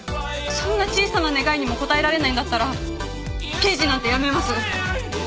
そんな小さな願いにも応えられないんだったら刑事なんて辞めます！